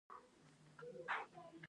دوی له دې لارې ډیرې پیسې ګټي.